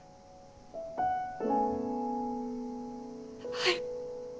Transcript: はい。